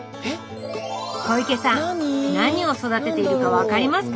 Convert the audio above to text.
小池さん何を育てているか分かりますか？